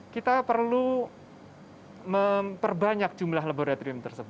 kita perlu memperbanyak jumlah laboratorium tersebut